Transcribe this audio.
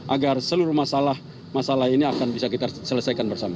agar seluruh masalah masalah ini akan bisa kita selesaikan bersama